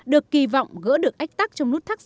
được kỳ vọng gỡ được ách tắc trong nút thắc dụng